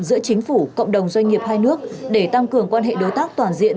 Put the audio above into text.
giữa chính phủ cộng đồng doanh nghiệp hai nước để tăng cường quan hệ đối tác toàn diện